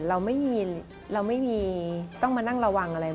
เราไม่มีเราไม่มีต้องมานั่งระวังอะไร